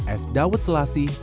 es dawet selasi